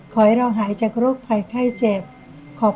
ขอให้เราหายจากโรคภัยไข้เจ็บ